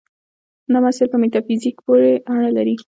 دا مسایل په میتافیزیک پورې اړه لري.